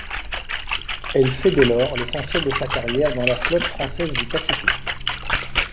Elle fait dès lors l'essentiel de sa carrière dans la Flotte française du Pacifique.